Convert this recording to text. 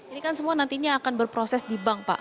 ini kan semua nantinya akan berproses di bank pak